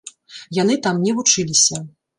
Яны там не вучыліся.